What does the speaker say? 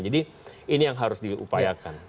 jadi ini yang harus diupayakan